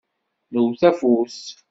Newwet afus.